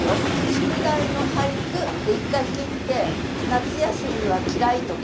「宿題の俳句」で一回切って「夏休みは嫌い」とか。